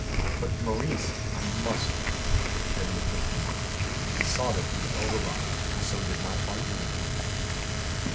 "But, Maurice " "I must carry it with me." She saw that he was overwrought, and so did not argue with him.